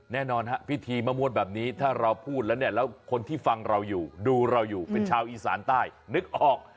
แน่นอนฮะพิธีมะมวดแบบนี้ถ้าเราพูดแล้วเนี่ยแล้วคนที่ฟังเราอยู่ดูเราอยู่เป็นชาวอีสานใต้นึกออก